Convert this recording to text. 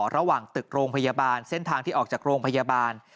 ระหว่างตึกโรงพยาบาลเส้นทางที่ออกจากโรงพยาบาล